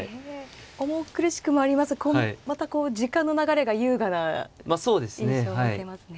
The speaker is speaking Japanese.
重苦しくもありますがまたこう時間の流れが優雅な印象を受けますね。